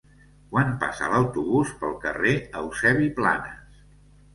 Quan passa l'autobús pel carrer Eusebi Planas?